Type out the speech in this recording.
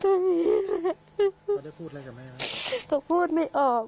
เขาได้พูดอะไรกับแม่ไหมก็พูดไม่ออก